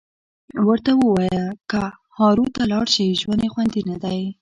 ورته ووایه که هارو ته لاړ شي ژوند یې خوندي ندی